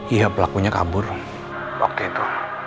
iya pelakunya kabur waktu itu